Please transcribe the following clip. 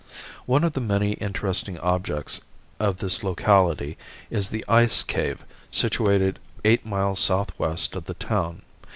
One of the many interesting objects of this locality is the Ice Cave situated eight miles southwest of the town.